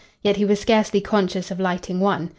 Yet he was scarcely conscious of lighting one.